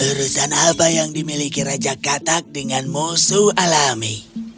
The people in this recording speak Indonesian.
urusan apa yang dimiliki raja katak dengan musuh alami